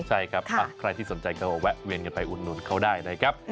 ใช่ครับใครที่สนใจเขาก็มาแวะเวียนอุ้นนุนเขาได้นะครับ